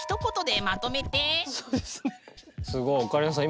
すごいオカリナさん